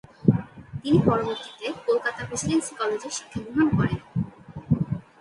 তিনি পরবর্তীতে কোলকাতা প্রেসিডেন্সি কলেজের শিক্ষা গ্রহণ করেন।